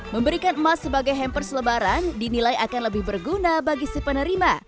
memberikan emas sebagai hamper selebaran dinilai akan lebih berguna bagi si penerima